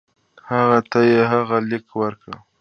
هغه ته یې هغه لیک ورکړ.